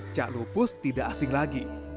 cak lupus tidak asing lagi